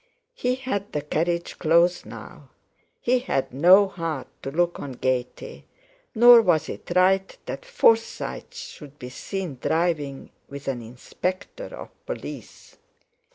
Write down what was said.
He had the carriage closed now; he had no heart to look on gaiety; nor was it right that Forsytes should be seen driving with an Inspector of Police.